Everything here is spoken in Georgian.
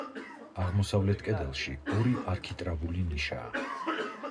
აღმოსავლეთ კედელში ორი არქიტრავული ნიშაა.